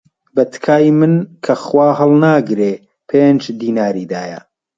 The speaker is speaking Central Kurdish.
بە تکای من کە خوا هەڵناگرێ، پێنج دیناری دایە